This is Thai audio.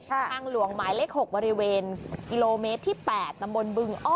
ทางหลวงหมายเลข๖บริเวณกิโลเมตรที่๘ตำบลบึงอ้อ